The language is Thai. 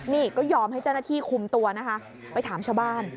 นี่ก็ยอมให้เจ้าหน้าที่คุมตัวนะคะไปถามชาวบ้าน